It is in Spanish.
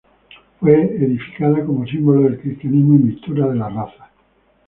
Fue edificada como símbolo del cristianismo y mixtura de las razas.